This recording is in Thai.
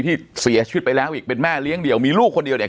ที่เสียชีวิตไปแล้วอีกเป็นแม่เลี้ยงเดี่ยวมีลูกคนเดียวเนี่ย